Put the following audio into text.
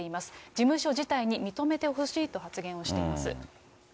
事務所自体に認めてほしいと発言をしています。